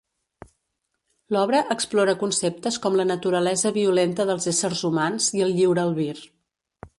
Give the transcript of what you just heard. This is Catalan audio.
L'obra explora conceptes com la naturalesa violenta dels éssers humans i el lliure albir.